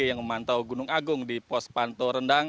yang memantau gunung agung di pos panto rendang